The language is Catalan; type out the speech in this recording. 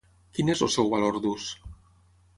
Quin és el seu valor d'ús?